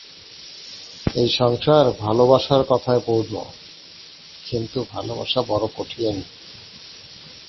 এই সংসার ভালবাসার কথায় পূর্ণ, কিন্তু ভালবাসা বড় কঠিন।